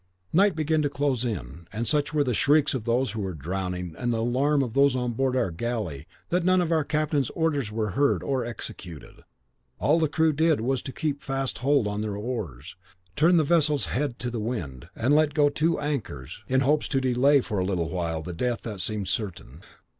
"Night began to close in, and such were the shrieks of those who were drowning, and the alarm of those on board our galley, that none of our captain's orders were heard or executed. All the crew did, was to keep fast hold of their oars, turn the vessel's head to the wind, and let go two anchors, in hopes to delay for a little while the death that seemed certain.